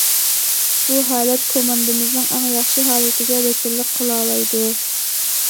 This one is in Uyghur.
بۇ ھالەت كوماندىمىزنىڭ ئەڭ ياخشى ھالىتىگە ۋەكىللىك قىلالايدۇ.